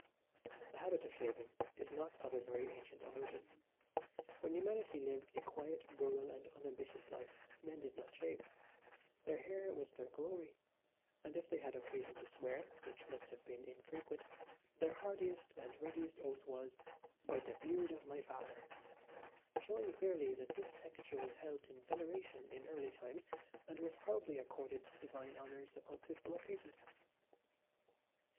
"The habit of shaving is not of a very ancient origin. When humanity lived a quiet, rural and unambitious life, men did not shave: their hair was their glory, and if they had occasion to swear, which must have been infrequent, their hardiest and readiest oath was, 'by the beard of my father,' showing clearly that this texture was held in veneration in early times and was probably accorded divine honours upon suitable occasions.